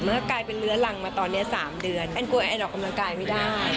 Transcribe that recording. กลายเป็นเลื้อรังมาตอนนี้๓เดือนแอนกลัวแอนออกกำลังกายไม่ได้